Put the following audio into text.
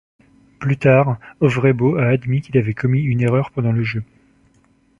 Plus tard, Øvrebø a admis qu'il avait commis une erreur pendant le jeu.